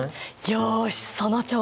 よしその調子。